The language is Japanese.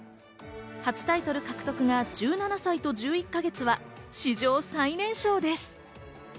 初タイトル獲得が１７歳と１１か月は史上最年少です。